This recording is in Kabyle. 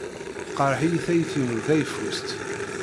Teqreḥ-iyi tayet-inu tayeffust.